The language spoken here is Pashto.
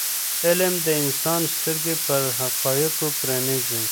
علم د انسان سترګې پر حقایضو پرانیزي.